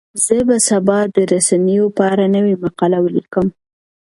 زه به سبا د رسنیو په اړه نوې مقاله ولیکم.